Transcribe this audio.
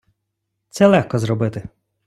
Це легко зробити!